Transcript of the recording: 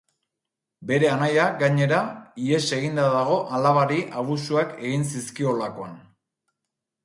Bere anaia, gainera, ihes eginda dago alabari abusuak egin zizkiolakoan.